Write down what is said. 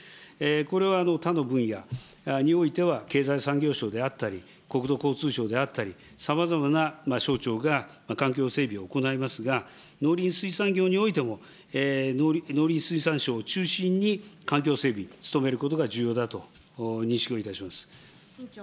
これは、他の分野においては、経済産業省であったり、国土交通省であったり、さまざまな省庁が環境整備を行いますが、農林水産業においても、農林水産省を中心に環境整備、努めることが重要であると認識をいたします。